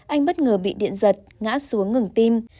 anh bất ngờ bị điện giật ngã xuống ngừng tim